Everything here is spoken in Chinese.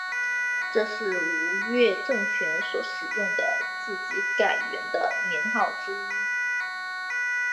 这也是吴越政权所使用的自己改元的年号之一。